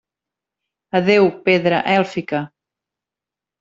Adéu, Pedra Èlfica!